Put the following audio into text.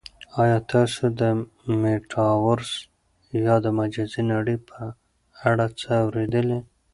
آیا تاسو د میټاورس یا د مجازی نړۍ په اړه څه اورېدلي؟